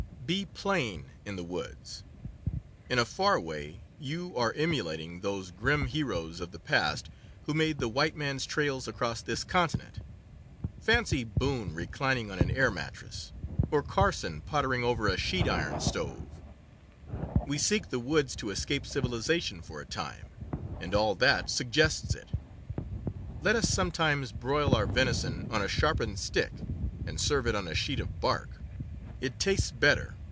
Be plain in the woods. In a far way you are emulat ing those grim heroes of the past who made the white man's trails across this continent. Fancy Boone reclin ing on an air mattress, or Carson pottering over a sheet iron stove ! We seek the woods to escape civiliza tion for a time, and all that suggests it. Let us some times broil our venison on a sharpened stick and serve it on a sheet of bark. It tastes better.